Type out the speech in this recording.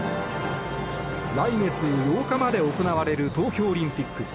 来月８日まで行われる東京オリンピック。